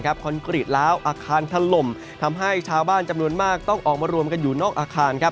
คอนกรีตแล้วอาคารถล่มทำให้ชาวบ้านจำนวนมากต้องออกมารวมกันอยู่นอกอาคารครับ